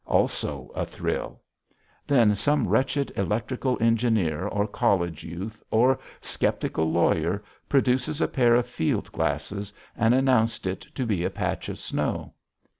Also a thrill. Then some wretched electrical engineer or college youth or skeptical lawyer produces a pair of field glasses and announces it to be a patch of snow.